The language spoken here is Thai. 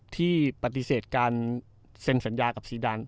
ที่ปฏิเสธการเซ็นสัญญากับซีดาน